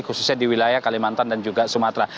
khususnya di wilayah kalimantan dan juga sumatera